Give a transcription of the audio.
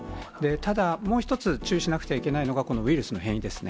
ただ、もう一つ、注意しなくてはいけないのが、このウイルスの変異ですね。